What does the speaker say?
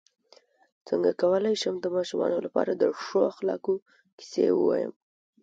څنګه کولی شم د ماشومانو لپاره د ښو اخلاقو کیسې ووایم